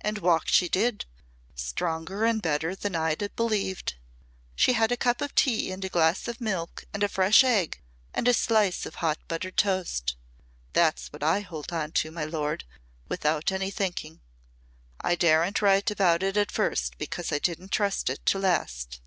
And walk she did stronger and better than I'd have believed. She had a cup of tea and a glass of milk and a fresh egg and a slice of hot buttered toast. That's what I hold on to, my lord without any thinking. I daren't write about it at first because I didn't trust it to last.